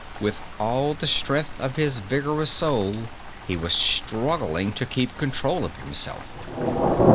With all the strength of his vigorous soul he was struggling to keep control of himself.